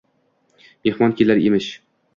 –Mehmon kelar emish.